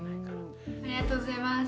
ありがとうございます。